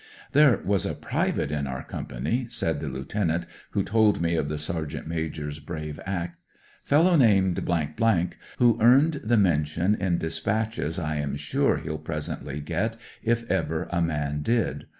" There was a private in our Company," raid the lieutenant who told me of tne sergeant major's brave act, " fellow named , who earned the mention in dis patches I am sure he'll presently get if ever a man did.